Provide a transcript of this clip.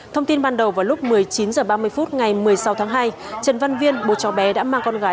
thông tin ban đầu vào lúc một mươi chín h ba mươi phút ngày một mươi sáu tháng hai trần văn viên bố cháu bé đã mang con gái